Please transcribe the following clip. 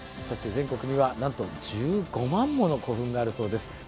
そして全国にはなんと１５万もの古墳があるそうです。